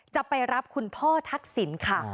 จะไปรับคุณพ่อทักษิณค่ะ